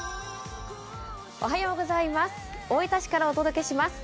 大分市からお届けします。